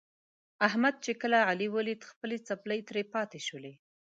احمد چې کله علي ولید خپلې څپلۍ ترې پاتې شولې.